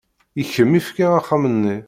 I kemm i fkiɣ axxam-nni.